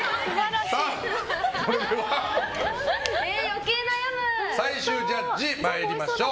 それでは、最終ジャッジに参りましょう。